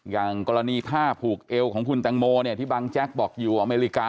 อย่างกรณีผ้าผูกเอวของคุณแตงโมที่บางแจ๊กบอกอยู่อเมริกา